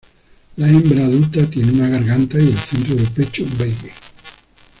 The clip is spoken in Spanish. La hembra adulta tiene una garganta y el centro del pecho beige.